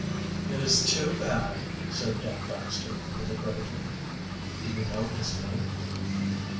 "It is too bad," said Dan Baxter hypocritically. "Do you know his name?"